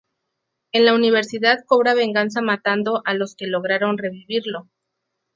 En la universidad cobra venganza matando a los que lograron revivirlo.